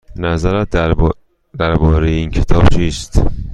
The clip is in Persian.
نظرت درباره این کتاب چیست؟